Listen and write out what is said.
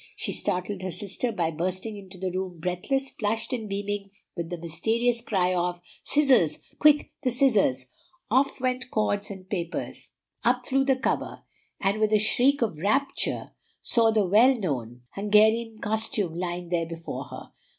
She startled her sister by bursting into the room breathless, flushed, and beaming, with the mysterious cry of, "Scissors! quick, the scissors!" Off went cords and papers, up flew the cover, and with a shriek of rapture Jessie saw the well known Hungarian costume lying there before her.